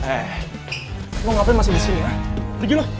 eh lo ngapain masih di sini ya pergi lo